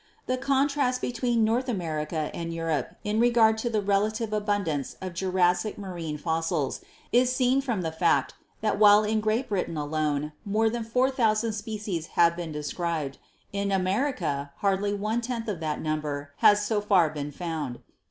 The contrast between North America and Europe in regard to the rela tive abundance of Jurassic marine fossils is seen from the fact that while in Great Britain alone more than 4,000 species have been described, in America hardly one tenth of that number has so far been found.